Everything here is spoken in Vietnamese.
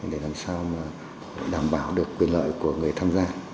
để làm sao mà đảm bảo được quyền lợi của người tham gia